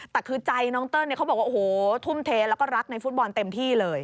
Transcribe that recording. แต่คือใจน้องเติ้ลเขาบอกว่าโอ้โหทุ่มเทแล้วก็รักในฟุตบอลเต็มที่เลย